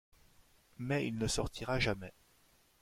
Mais il ne sortira jamais.